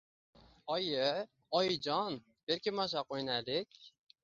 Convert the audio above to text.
Oyi, Oyijon, berkinmachoq o`ynaylik